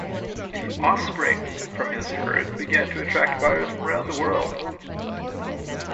The offspring from his herd began to attract buyers from around the world.